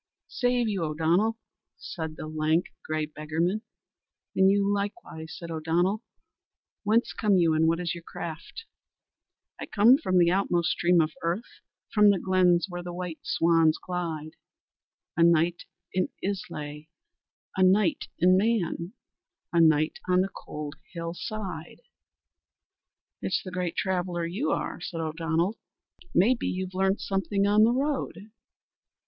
"Save you, O'Donnell," said the lank, grey beggarman. "And you likewise," said O'Donnell. "Whence come you, and what is your craft?" "I come from the outmost stream of earth, From the glens where the white swans glide, A night in Islay, a night in Man, A night on the cold hill side." "It's the great traveller you are," said O'Donnell. "May be you've learnt something on the road."